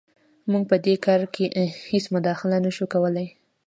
موږ په دې کار کې هېڅ مداخله نه شو کولی.